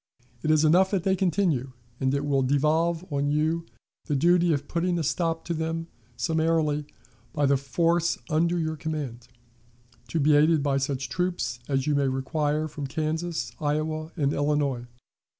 It is enough that they continue, and it will devolve on you the duty of putting a stop to them summarily by the force under your command, to be aided by such troops as you may require from Kansas, Iowa, and Illinois.